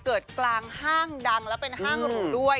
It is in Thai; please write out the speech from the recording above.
กลางห้างดังและเป็นห้างหรูด้วย